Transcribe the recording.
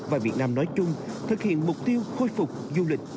và việt nam nói chung thực hiện mục tiêu khôi phục du lịch